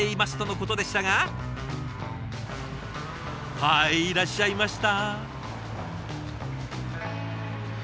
はいいらっしゃいました。